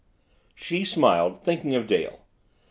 She smiled, thinking of Dale.